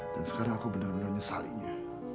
dan sekarang aku benar benar nyesalinya